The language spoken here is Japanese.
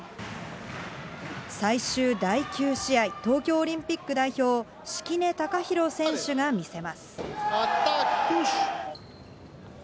最終第９試合、東京オリンピック代表、敷根崇裕選手が見せます。